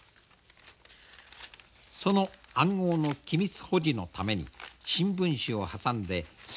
その暗号の機密保持のために新聞紙を挟んで透かし読みを防ぐ。